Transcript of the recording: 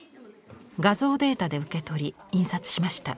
画像データで受け取り印刷しました。